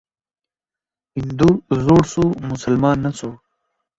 هندو زوړ سو ، مسلمان نه سو.